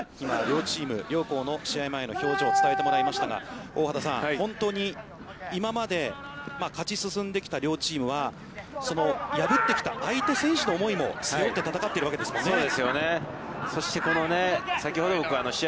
今、両チーム、両校の試合前の表情を伝えてもらいましたが、大畑さん、本当に今まで勝ち進んできた両チームは破ってきた相手選手の思いも背負って闘っているわけですもんね。